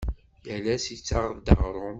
Yal ass ittaɣ-d aɣrum.